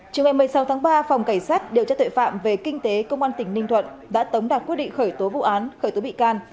chiều ngày một mươi sáu tháng ba phòng cảnh sát điều tra tuệ phạm về kinh tế công an tỉnh ninh thuận đã tống đạt quyết định khởi tố vụ án khởi tố bị can